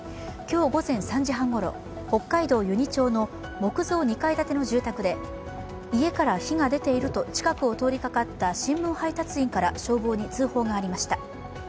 今日午前３時半ごろ、北海道由仁町の木造２階建ての住宅で家から火が出ていると近くを通りかかった新聞配達員から消防に通報がありました。